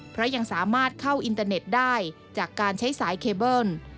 เพราะยังสามารถเข้าอินเตอร์เน็ตได้จากการใช้สายเคเบิ้ล